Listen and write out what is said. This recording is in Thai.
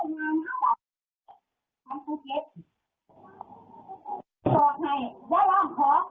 มึงพิเศษยังไงกูไม่พิเศษเลยกูเปิดมันมากกว่าที่สาย